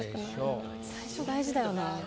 ・最初大事だよな・